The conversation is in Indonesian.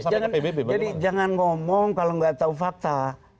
jadi jangan ngomong kalau nggak tahu fakta